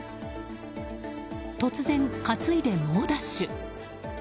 突然、担いで猛ダッシュ。